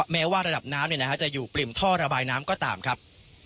แม้ว่าระดับน้ำจะอยู่ปริ่มท่อระบายน้ำก็ตามครับ